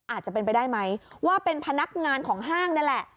อาจจะเป็นไปได้ไหมว่าเป็นพนักงานของห้างนั่นแหละ